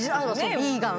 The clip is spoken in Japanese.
ヴィーガン。